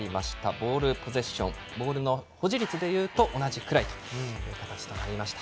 ボールポゼッションボール保持率でいうと同じくらいという形になりました。